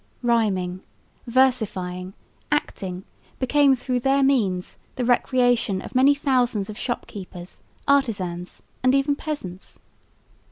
Rhyming, versifying, acting, became through their means the recreation of many thousands of shop keepers, artisans and even peasants.